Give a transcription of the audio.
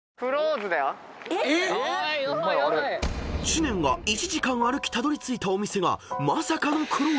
［知念が１時間歩きたどりついたお店がまさかのＣＬＯＳＥＤ！